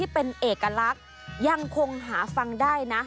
เป็นเอกลักษณ์ยังคงหาฟังได้นะ